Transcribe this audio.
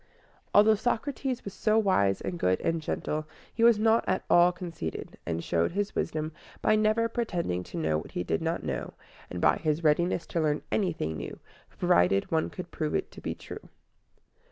Although Socrates was so wise and good and gentle, he was not at all conceited, and showed his wisdom by never pretending to know what he did not know, and by his readiness to learn anything new, provided one could prove it to be true.